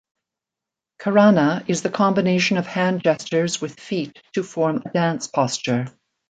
Karana is the combination of hand gestures with feet to form a dance posture.